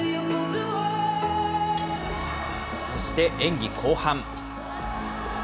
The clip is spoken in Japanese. そして演技後半。